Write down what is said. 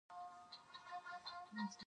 د چین په اړه صدق کوي.